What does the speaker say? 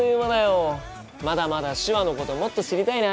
まだまだ手話のこともっと知りたいな。